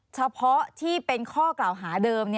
เฉพาะที่เป็นข้อกล่าวหาเดิม